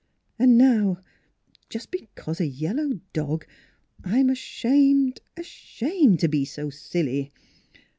And now just because a yellow dog I am ashamed ashamed to be so silly.